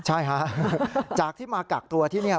ใช่ฮะจากที่มากักตัวที่นี่